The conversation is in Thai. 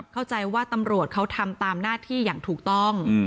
เข้าใจว่าตำรวจเขาทำตามหน้าที่อย่างถูกต้อง